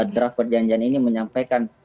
draft perjanjian ini menyampaikan